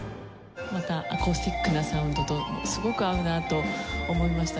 またアコースティックなサウンドとすごく合うなと思いました。